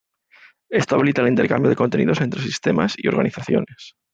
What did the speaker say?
Esto habilita el intercambio de contenido entre sistemas y organizaciones.